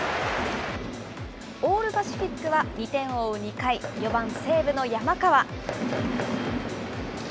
オール・パシフィックは２点を追う２回、４番西武の山川。